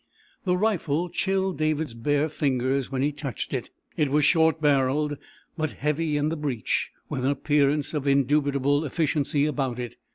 The rifle chilled David's bare fingers when he touched it. It was short barrelled, but heavy in the breech, with an appearance of indubitable efficiency about it.